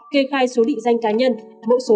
kê khai số định danh cá nhân mẫu số